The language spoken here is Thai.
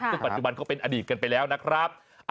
ซึ่งปัจจุบันเขาเป็นอดีตกันไปแล้วนะครับ